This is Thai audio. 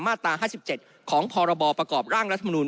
ตรา๕๗ของพรบประกอบร่างรัฐมนุน